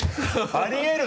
ありえる。